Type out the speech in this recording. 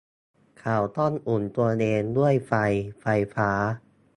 เขาต้องอุ่นตัวเองด้วยไฟไฟฟ้า